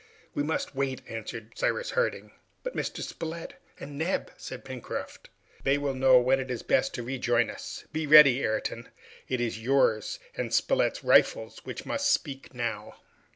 "We must wait!" answered Cyrus Harding. "But Mr. Spilett and Neb?" said Pencroft. "They will know when it is best to rejoin us. Be ready, Ayrton. It is yours and Spilett's rifles which must speak now."